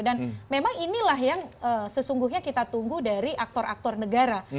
dan memang inilah yang sesungguhnya kita tunggu dari aktor aktor negara